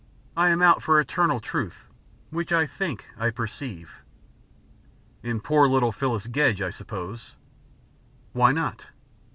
"I am out for Eternal Truth, which I think I perceive." "In poor little Phyllis Gedge, I suppose?" "Why not?